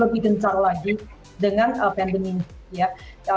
lebih gencar lagi dengan pandemi ini ya